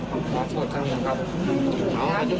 ไอไม่ตาย